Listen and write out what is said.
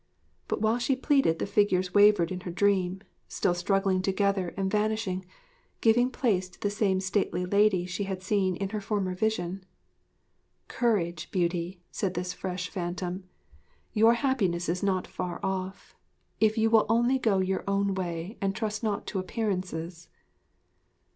'But while she pleaded the figures wavered in her dream, still struggling together, and vanished, giving place to the same stately lady she had seen in her former vision. 'Courage, Beauty!' said this fresh phantom; 'your happiness is not far off, if only you will go your own way and trust not to appearances.'